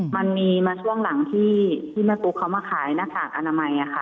มันมีมาช่วงหลังที่แม่ตุ๊กเขามาขายหน้ากากอนามัยค่ะ